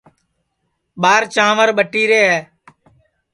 ٻار چانٚور ٻٹیرے ہے